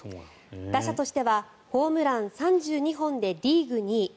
打者としてはホームラン３２本でリーグ２位。